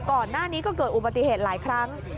ก่อนหน้านี้ก็เกิดอุบัติเหตุหลายครั้ง